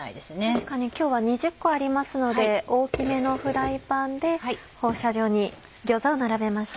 確かに今日は２０個ありますので大きめのフライパンで放射状に餃子を並べました。